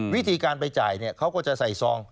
วิธีการไปจ่ายเขาก็จะใส่ซอง